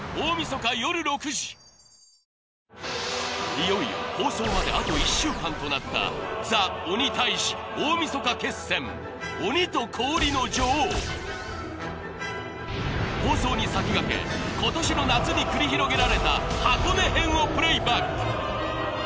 いよいよ放送まであと１週間となったＴＨＥ鬼タイジ大晦日決戦鬼と氷の女王放送に先駆け今年の夏に繰り広げられた箱根編をプレイバック！